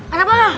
ada apa lah